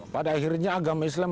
pada akhirnya agama islam